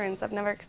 ini sangat luar biasa